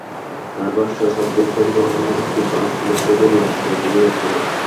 তাঁর ভাষ্য, সাব্বির পরিবহন নামের একটি বাস সিলেট থেকে দিনাজপুরের দিকে যাচ্ছিল।